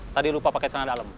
tadi lupa pakai cana dalem